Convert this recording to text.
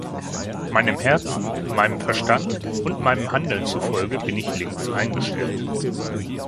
Meinem Herzen, meinem Verstand und meinem Handeln zufolge bin ich links eingestellt.